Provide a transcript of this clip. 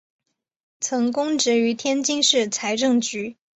曾供职于天津市财政局。